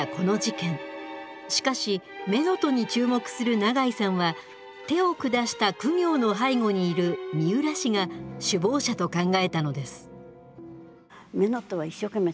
しかし乳母に注目する永井さんは手を下した公暁の背後にいる三浦氏が首謀者と考えたのです。